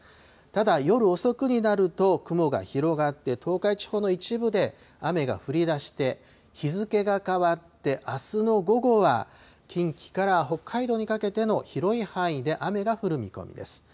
ただ夜遅くになると、雲が広がって、東海地方の一部で雨が降りだして、日付が変わって、あすの午後は、近畿から北海道にかけての広い範囲で雨が降る見込みです。